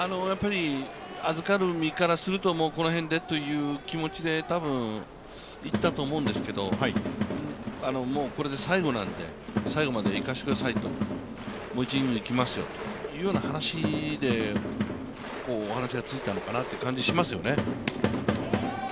預かる身からするともうこの辺でという気持ちで言ったと思うんですけど、もうこれで最後なんで、最後までいかせてください、もう１イニング行きますよというような話で、話がついたのかなという感じがしますよね。